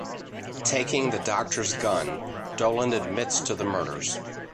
Taking the Doctor's gun, Doland admits to the murders.